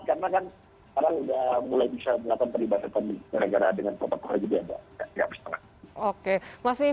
sekarang udah mulai bisa melakukan peribahasa pandemi